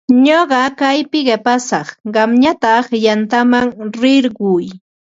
Ñuqa kaypi qipasaq, qamñataq yantaman rirquy.